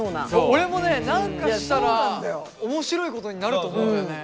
俺もね何かしたら面白いことになると思うんだよね。